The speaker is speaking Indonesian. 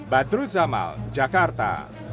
badru zamal jakarta